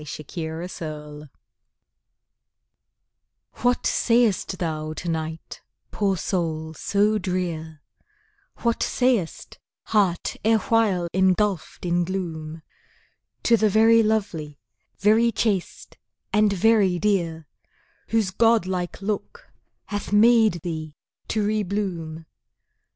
Sonnet XLIII What sayest thou, to night, poor soul so drear, What sayest heart erewhile engulfed in gloom, To the very lovely, very chaste, and very dear, Whose god like look hath made thee to re bloom?